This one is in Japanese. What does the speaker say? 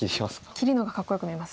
切りの方がかっこよく見えます。